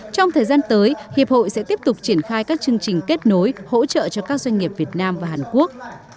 trong thời gian tới hiệp hội sẽ tiếp tục triển khai các chương trình kết nối hỗ trợ cho các doanh nghiệp việt nam và hàn quốc